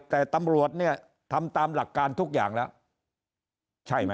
แต่ตำรวจเนี่ยทำตามหลักการทุกอย่างแล้วใช่ไหม